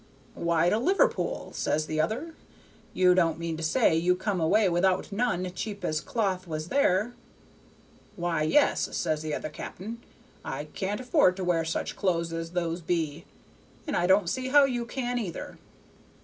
'Why, to Liverpool,' says the other; 'you don't mean to say you come away without none, cheap as cloth was there?' 'Why, yes,' says the other cap'n, 'I can't afford to wear such clothes as those be, and I don't see how you can, either.'